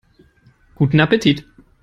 Guten Appetit!